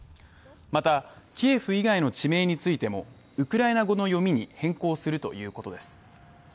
また、キエフ以外の地名についてもウクライナ語の読みに変更するということです。